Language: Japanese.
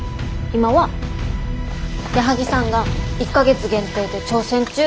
今は矢作さんが１か月限定で挑戦中。